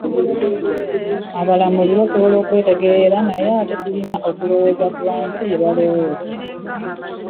“Abalamuzi basobola okwetegeerera naye ate tulina okulowooza ku bantu kye balowooza"